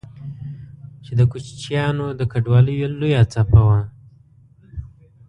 چې د کوچيانو د کډوالۍ لويه څپه وه